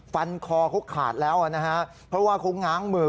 ฟันคอเขาขาดแล้วนะฮะเพราะว่าเขาง้างมือ